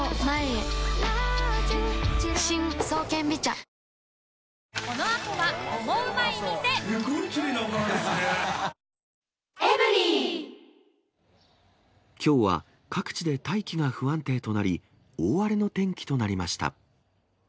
サントリーからきょうは、各地で大気が不安定となり、大荒れの天気となりました。